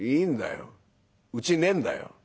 うちねえんだよ」。